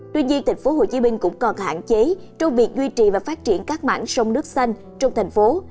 tuy nhiên thành phố hồ chí minh cũng còn hạn chế trong việc duy trì và phát triển các mảng sông nước xanh trong thành phố